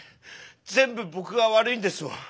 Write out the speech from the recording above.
全部僕が悪いんですもん。